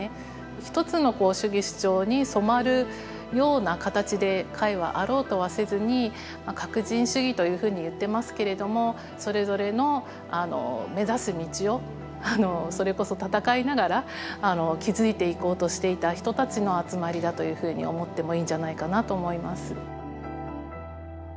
一つの主義主張に染まるような形で会はあろうとはせずに各人主義というふうに言ってますけれどもそれぞれの目指す道をそれこそ闘いながら築いていこうとしていた人たちの集まりだというふうに思ってもいいんじゃないかなと思います。